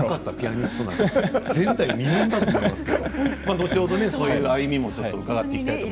前代未聞だと思いますけど後ほど歩みも伺っていきたいと思います。